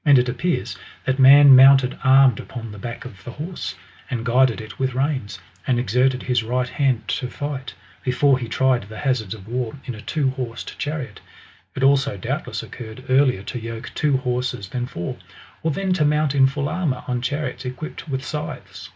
And it appears that man mounted armed upon the back of a horse, and guided it with reins, and exerted his right hand to fight, before he tried the hazards of war in a two horsed chariot. It also doubtless occurred earlier to yoke two horses than four, or than to mount in full armour on chariots equipped with scythes.